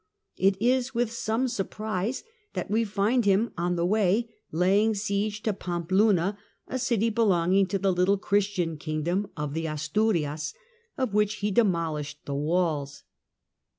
It is with some surprise that we find him, on the way, laying siege to Pampeluna, a city belonging to the little Christian kingdom of the Asturias, of which he de molished the walls.